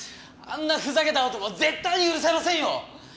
あんなふざけた男絶対に許せませんよ！